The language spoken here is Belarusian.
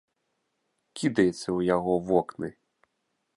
Кідаецца ў яго вокны.